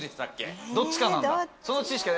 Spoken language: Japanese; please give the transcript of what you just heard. どっちかなんだ。